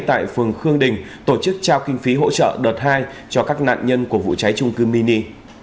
tại phường khương đình tổ chức trao kinh phí hỗ trợ đợt hai cho các nạn nhân của vụ cháy trung cư mini